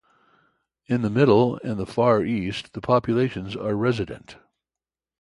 In the Middle and Far East the populations are resident.